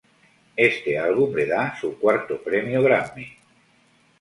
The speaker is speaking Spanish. Este álbum le da su cuarto premio Grammy.